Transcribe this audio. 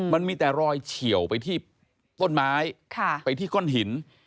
มันมีแต่รอยเฉียวไปที่ต้นไม้ไปที่ก้อนหิน